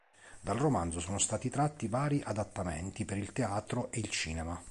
Dal romanzo sono stati tratti vari adattamenti per il teatro e il cinema.